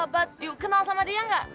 but you kenal sama dia gak